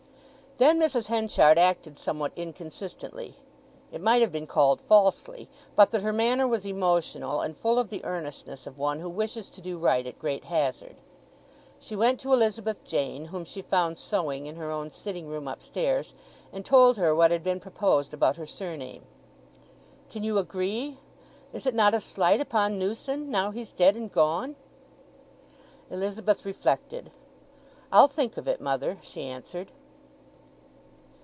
Then Mrs. Henchard acted somewhat inconsistently; it might have been called falsely, but that her manner was emotional and full of the earnestness of one who wishes to do right at great hazard. She went to Elizabeth Jane, whom she found sewing in her own sitting room upstairs, and told her what had been proposed about her surname. "Can you agree—is it not a slight upon Newson—now he's dead and gone?" Elizabeth reflected. "I'll think of it, mother," she answered.